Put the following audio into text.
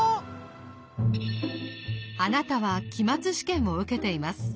あなたは期末試験を受けています。